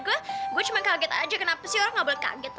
gue gue cuma kaget aja kenapa sih orang nggak boleh kaget